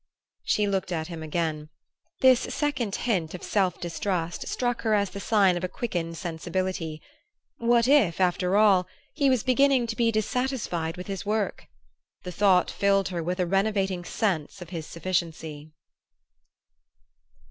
She looked at him again. This second hint of self distrust struck her as the sign of a quickened sensibility. What if, after all, he was beginning to be dissatisfied with his work? The thought filled her with a renovating sense of his sufficiency.